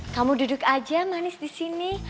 kamu duduk aja manis disini